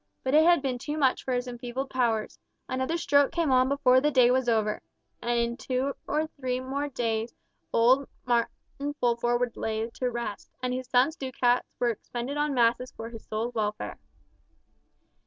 But it had been too much for his enfeebled powers. Another stroke came on before the day was over, and in two or three days more old Martin Fulford was laid to rest, and his son's ducats were expended on masses for his soul's welfare.